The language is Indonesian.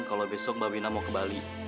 kalau besok mbak mina mau ke bali